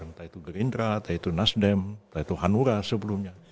entah itu gerindra entah itu nasdem entah itu hanura sebelumnya